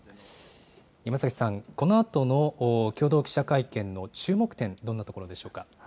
山崎さん、このあとの共同記者会見の注目点、どんなところでしょ